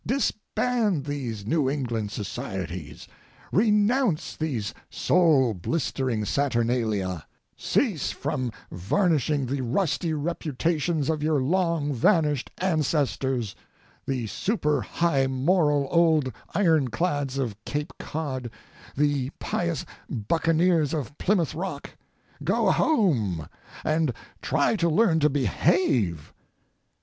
Disband these New England societies, renounce these soul blistering saturnalia, cease from varnishing the rusty reputations of your long vanished ancestors—the super high moral old iron clads of Cape Cod, the pious buccaneers of Plymouth Rock—go home, and try to learn to behave!